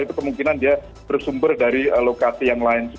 itu kemungkinan dia bersumber dari lokasi yang lain